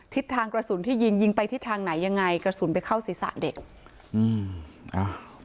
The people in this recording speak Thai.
ทิศทางกระสุนที่ยิงยิงไปที่ทางไหนยังไงกระสุนไปเข้าศีรษะเด็กอืมอ้าว